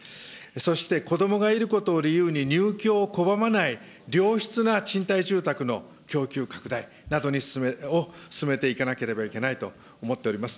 そして子どもがいることを理由に入居を拒まない、良質な賃貸住宅の供給拡大などを進めていかなければいけないと思っております。